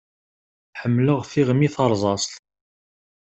Ḥemmleɣ tiɣmi tarẓazt.